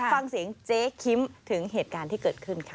ฟังเสียงเจ๊คิมถึงเหตุการณ์ที่เกิดขึ้นค่ะ